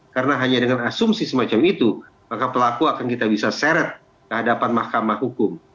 karena hanya dengan asumsi semacam itu maka pelaku akan kita bisa seret kehadapan mahkamah hukum